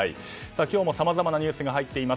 今日もさまざまなニュースが入っています。